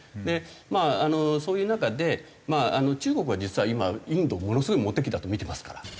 まあそういう中で中国は実は今インドをものすごいモテ期だとみてますから。